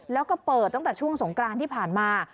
แล้วก็เปิดตั้งแต่ช่วงสงกรานที่ผ่านมา